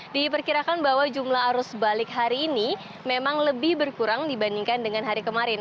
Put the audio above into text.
diperkirakan bahwa jumlah arus balik hari ini memang lebih berkurang dibandingkan dengan hari kemarin